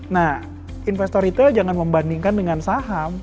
nah investor retail jangan membandingkan dengan saham